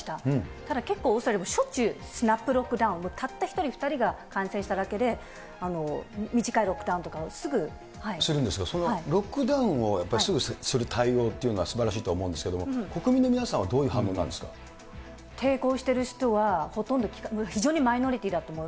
ただ結構オーストラリアでも、しょっちゅうスナップロックダウン、たった１人、２人が感染しただけで、短いロックダウンとかをそのロックダウンをすぐする対応っていうのはすばらしいと思うんですけれども、国民の皆さん抵抗してる人はほとんど、非常にマイノリティーだと思う。